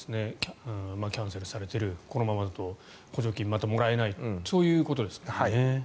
キャンセルされてるこのまま補助金、またもらえないそういうことですよね。